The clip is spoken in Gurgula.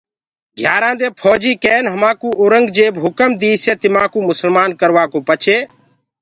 گھيآرآنٚ دي ڦوجيٚ ڪين همآنٚڪو اورنٚگجيب هُڪم ديسي تمآنٚڪو مُسلمآن ڪروآڪو پڇي